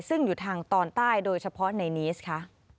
ซึ่งอยู่ทางตอนใต้โดยเฉพาะในนี้ค่ะ